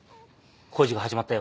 工事が始まったよ。